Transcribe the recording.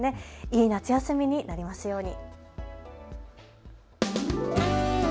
いい夏休みになりますように。